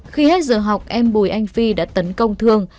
khi hết giờ học em bùi anh phi đã tấn công thương